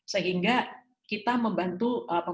sehingga kita membantu